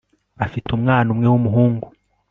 afite umwana umwe w'umuhungu